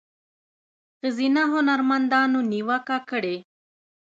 ښځینه هنرمندانو نیوکه کړې